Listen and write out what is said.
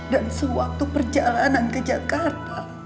dan sewaktu perjalanan ke jakarta